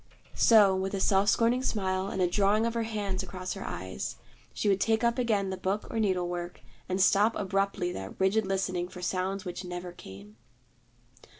So, with a self scorning smile and a drawing of her hand across her eyes, she would take up again the book or needle work, and stop abruptly that rigid listening for sounds which never came.